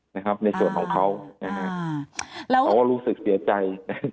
นะครับในส่วนของเขาเขาก็รู้สึกเสียใจ